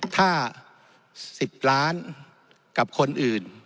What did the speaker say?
ถ้า๑๐ล้านกับคนอื่น